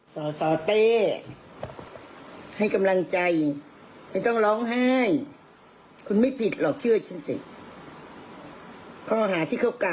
สาวสาวเต้ให้กำลังใจไม่ต้องร้องไห้